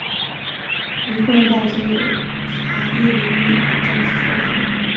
一贯道则有发一灵隐的张氏佛堂。